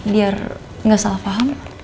biar gak salah paham